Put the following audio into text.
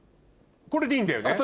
これでいいんだよね？